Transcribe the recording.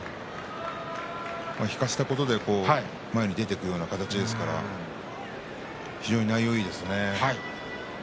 引かせたことで前に出ていくような相撲ですから非常に内容がいいですね。